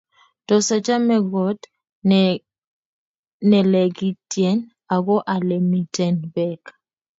tos achame koot nelegityen ago olemiten beek